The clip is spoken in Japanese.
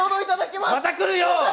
また来るよ！